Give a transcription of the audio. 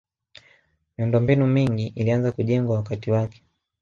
miundombinu mingi ilianza kujengwa wakati wake